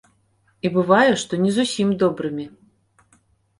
І бывае, што не зусім добрымі.